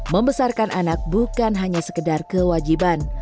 membesarkan anak bukan hanya sekedar kewajiban